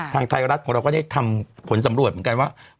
ทางไทยรัฐของเราก็ได้ทำผลสำรวจเหมือนกันว่า